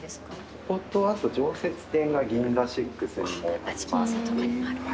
こことあと常設店がＧＩＮＺＡＳＩＸにもあります。